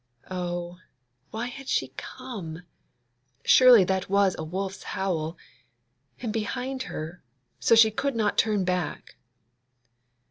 Oh, why had she come? Surely that was a wolf's howl—and behind her, so that she could not turn back!